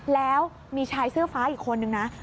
แล้วมีชายเสื้อฟ้าอีกคนนึงนะ